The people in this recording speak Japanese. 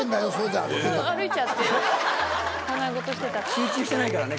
集中してないからね